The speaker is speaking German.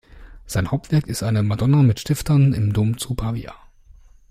Sein Hauptwerk ist eine Madonna mit Stiftern im Dom zu Pavia.